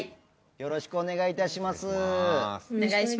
よろしくお願いします。